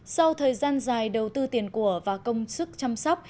sau thời gian dài đầu tư tiền của và công sức chăm sóc